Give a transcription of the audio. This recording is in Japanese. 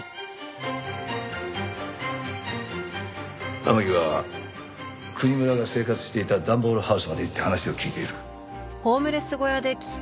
天樹は国村が生活していた段ボールハウスまで行って話を聞いている。